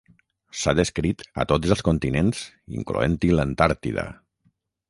S’ha descrit a tots els continents incloent-hi l’Antàrtida.